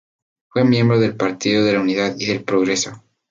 Fue miembro del Partido de la Unidad y del Progreso.